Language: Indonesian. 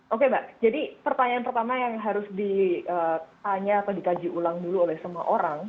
oke mbak jadi pertanyaan pertama yang harus ditanya atau dikaji ulang dulu oleh semua orang